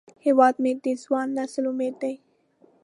هیواد مې د ځوان نسل امید دی